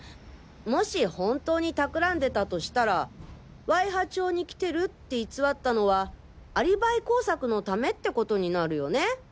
もし本当に企んでたとしたら和井葉町に来てるって偽ったのはアリバイ工作のためってことになるよね？